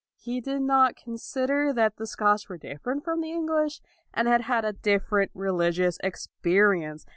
He did not consider that the Scotch were different from the English, and had had a different religious experience.